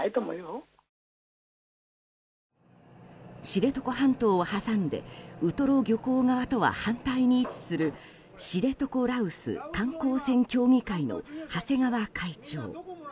知床半島を挟んでウトロ漁港側とは反対に位置する知床羅臼観光船協議会の長谷川会長。